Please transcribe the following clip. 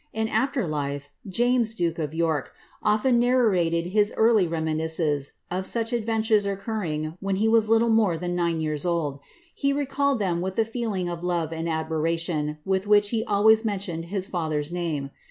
In after life, James, duke of York, often narrated his early reminiscences of auch ad ventures occurring when he was little more than nine years old; he ro called them witli the feeling of love and admiration with which he always mentioned his father's name.